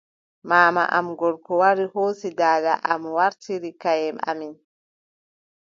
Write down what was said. Maama am gorko wari hoosi daada am waartiri kayye amin.